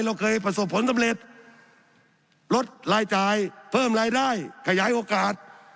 เราเคยประสบผลสำเร็จลดรายจ่ายเพิ่มรายได้ขยายโอกาส